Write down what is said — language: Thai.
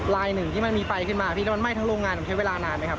ลายหนึ่งที่มันมีไฟขึ้นมามันไหม้ทั้งโรงงานใช้เวลานานไหมครับ